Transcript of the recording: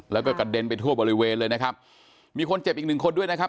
แล้วก็กระเด็นไปทั่วบริเวณเลยนะครับมีคนเจ็บอีกหนึ่งคนด้วยนะครับ